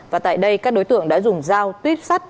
và tại đây các đối tượng đã dùng dao tuyếp sắt